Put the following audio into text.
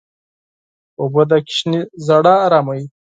اوبه د ماشوم ژړا اراموي.